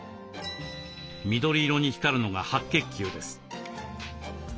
緑色に光るのが白血球です。